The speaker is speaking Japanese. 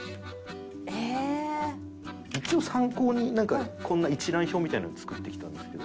一応参考にこんな一覧表みたいなのを作ってきたんですけど。